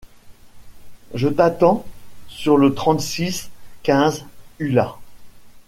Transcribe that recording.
Je t'attends sur le trente six quinze Ulla.